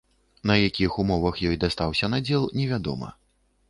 На якіх умовах ёй дастаўся надзел, невядома.